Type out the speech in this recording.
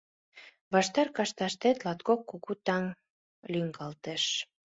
Ваштар кашташтет латкок куку таҥ лӱҥгалталеш.